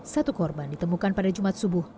satu korban ditemukan pada jumat subuh